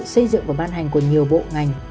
và sự xây dựng và ban hành của nhiều bộ ngành